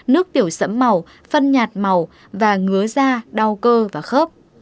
nước tiểu sẫm màu phân nhạt màu và ngứa da đau cơ và khớp